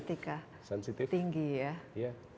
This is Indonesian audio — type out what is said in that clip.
dan berestetika tinggi ya